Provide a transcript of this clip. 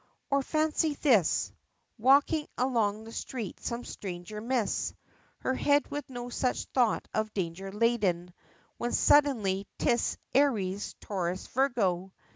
Or fancy this: Walking along the street, some stranger Miss, Her head with no such thought of danger laden, When suddenly 'tis "Aries Taurus Virgo!"